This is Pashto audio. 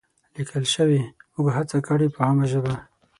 لیکل شوې، موږ هڅه کړې په عامه ژبه